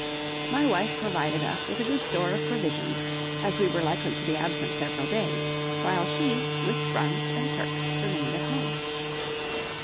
My wife provided us with a good store of provisions, as we were likely to be absent several days, while she, with Franz and Turk, remained at home.